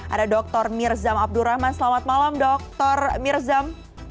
ada dr mirzam abdurrahman selamat malam dr mirzam